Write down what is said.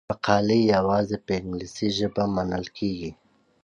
مقالې یوازې په انګلیسي ژبه منل کیږي.